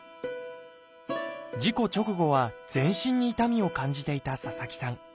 事故直後は全身に痛みを感じていた佐々木さん。